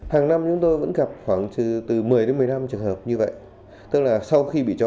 hàng năm chúng tôi vẫn gặp khoảng từ một mươi đến một mươi năm trường hợp như vậy tức là sau khi bị chó